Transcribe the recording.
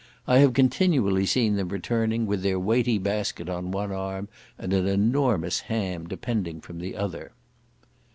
I have continually seen them returning, with their weighty basket on one arm and an enormous ham depending from the other.